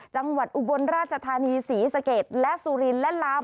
จังหวัดอุบลราชธานีศรีสเกตและสุรินทร์และล้าม